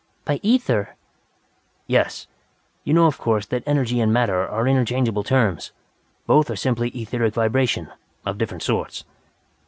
"By ether!" "Yes. You know of course that energy and matter are interchangeable terms; both are simply etheric vibration, of different sorts."